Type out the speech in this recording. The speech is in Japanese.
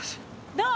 どう？